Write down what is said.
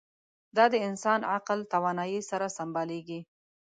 دا د انسان عقل توانایۍ سره سمبالېږي.